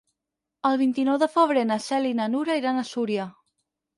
El vint-i-nou de febrer na Cel i na Nura iran a Súria.